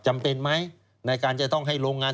จำเป็นไหมในการจะต้องให้โรงงาน